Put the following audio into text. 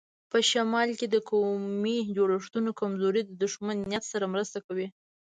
په شمال کې د قومي جوړښتونو کمزوري د دښمن نیت سره مرسته کوي.